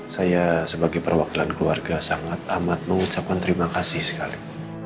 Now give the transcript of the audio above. saya sebagai perwakilan keluarga sangat amat mengucapkan terima kasih sekali